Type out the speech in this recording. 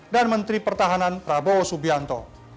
menteri pertahanan prabowo subianto